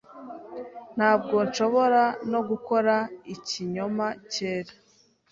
Ntabwo nshobora no gukora ikinyoma cyera ...